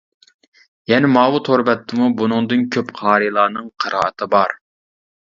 يەنە ماۋۇ تور بەتتىمۇ بۇنىڭدىن كۆپ قارىلارنىڭ قىرائىتى بار.